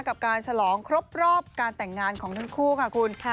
กับการฉลองครบรอบการแต่งงานของทั้งคู่ค่ะคุณ